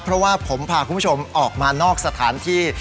เพราะว่าผมพาคุณผู้ชมออกมานอกสถานที่